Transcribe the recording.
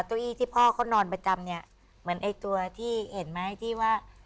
เก้าอี้ที่พ่อเขานอนประจำเนี่ยเหมือนไอ้ตัวที่เห็นไหมที่ว่า